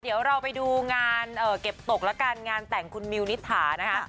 เดี๋ยวเราไปดูงานเก็บตกแล้วกันงานแต่งคุณมิวนิษฐานะคะ